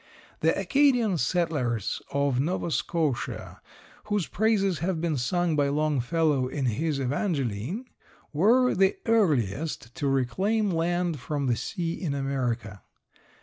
The Acadian settlers of Nova Scotia whose praises have been sung by Longfellow in his "Evangeline", were the earliest to reclaim land from the sea in America.